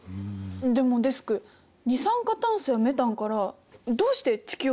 でもデスク二酸化炭素やメタンからどうして地球温暖化が起きるんですか？